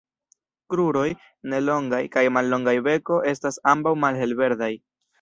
Kruroj -ne longaj- kaj mallonga beko estas ambaŭ malhelverdaj.